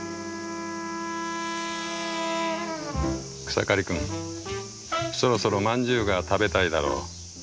「草刈くんそろそろ饅頭が食べたいだろう